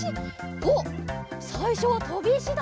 おっさいしょはとびいしだ。